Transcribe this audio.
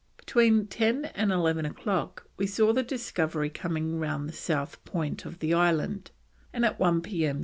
Between 10 and 11 o'clock we saw the Discovery coming round the south point of the Island and at 1 P.M.